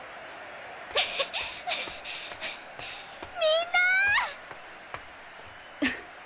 みんな！